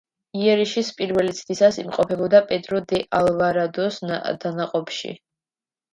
იერიშის პირველი ცდისას იმყოფებოდა პედრო დე ალვარადოს დანაყოფში.